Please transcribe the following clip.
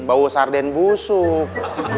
bau sarden busuk